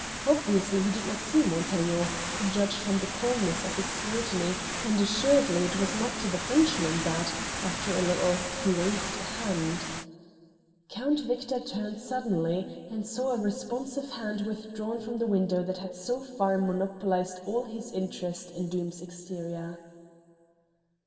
Obviously he did not see Montaiglon, to judge from the calmness of his scrutiny, and assuredly it was not to the Frenchman that, after a little, he waved a hand. Count Victor turned suddenly and saw a responsive hand withdrawn from the window that had so far monopolised all his interest in Doom's exterior.